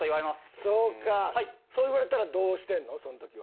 そう言われたらどうしてんの？